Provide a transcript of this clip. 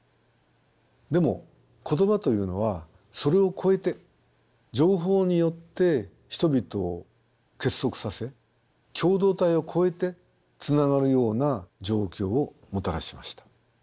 でも言葉というのはそれを超えて情報によって人々を結束させ共同体を超えてつながるような状況をもたらしました。